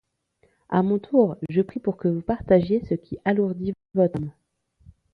À mon tour je prie pour que vous partagiez ce qui alourdit votre âme.